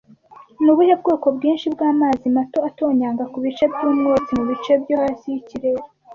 Ni ubuhe bwoko bwinshi bw'amazi mato atonyanga ku bice by'umwotsi mubice byo hasi yikirere